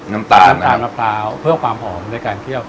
น้ำตาลน้ำตาลมะพร้าวเพิ่มความหอมในการเคี่ยว